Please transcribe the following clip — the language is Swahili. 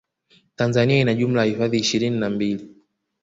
tanzania ina jumla ya hifadhi ishirini na mbili